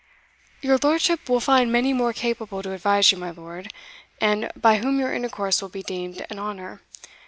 "Your lordship will find many more capable to advise you, my lord, and by whom your intercourse will be deemed an honour.